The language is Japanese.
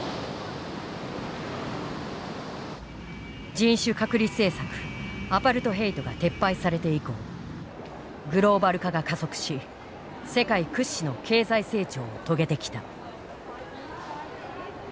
人種隔離政策アパルトヘイトが撤廃されて以降グローバル化が加速し世界屈指の経済成長を遂げてきた。